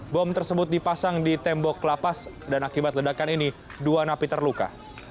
bom tersebut dipasang di tembok lapas dan akibat ledakan ini dua napi terluka